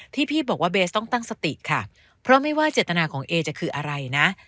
พี่บอกว่าเบสต้องตั้งสติค่ะเพราะไม่ว่าเจตนาของเอจะคืออะไรนะ